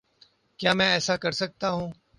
کیا میں ایسا کر سکتا ہوں؟